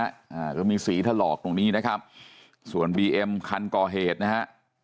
อ่าก็มีสีถลอกตรงนี้นะครับส่วนบีเอ็มคันก่อเหตุนะฮะ